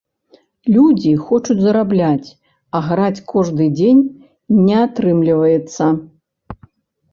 Людзі хочуць зарабляць, а граць кожны дзень не атрымліваецца.